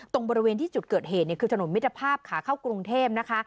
ตรงบริเวณที่จุดเกิดเหตุคือถนนมิตรภาพขาเข้ากรุงเทพนะคะ